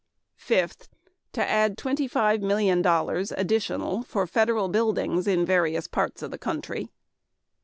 Fifth, to add twenty five million dollars additional for federal buildings in various parts of the country.